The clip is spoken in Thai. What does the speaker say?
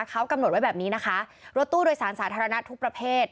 เขากำหนดไว้แบบนี้นะคะรถตู้โดยสารสาธารณะทุกประเภท